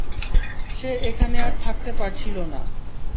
সে এখানে আর থাকতে পারছিল না।